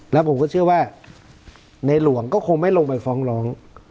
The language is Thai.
แล้วผมก็เชื่อว่าในหลวงก็คงไม่ลงไปฟ้องร้อง